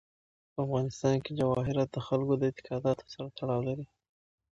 په افغانستان کې جواهرات د خلکو د اعتقاداتو سره تړاو لري.